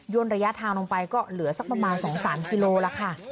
ระยะทางลงไปก็เหลือสักประมาณ๒๓กิโลแล้วค่ะ